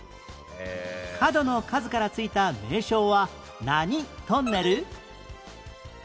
角の数から付いた名称は何トンネル？